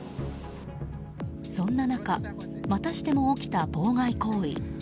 そんな中またしても起きた妨害行為。